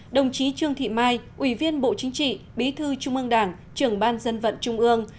đồng chí trương thị mai ủy viên bộ chính trị bí thư trung ương đảng trưởng ban dân vận trung ương